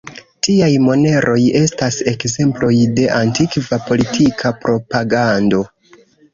Tiaj moneroj estas ekzemploj de antikva politika propagando.